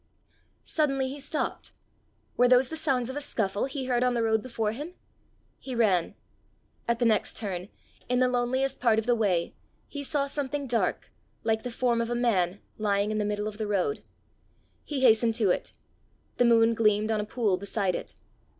Suddenly he stopped: were those the sounds of a scuffle he heard on the road before him? He ran. At the next turn, in the loneliest part of the way, he saw something dark, like the form of a man, lying in the middle of the road. He hastened to it. The moon gleamed on a pool beside it.